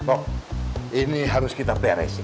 oh ini harus kita beresin